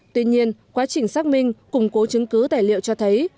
tuy nhiên quá trình xác minh củng cố chứng cứ tài liệu cho thấy